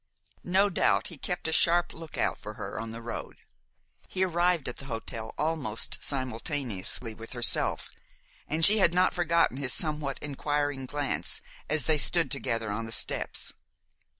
No doubt he kept a sharp lookout for her on the road. He arrived at the hotel almost simultaneously with herself, and she had not forgotten his somewhat inquiring glance as they stood together on the steps.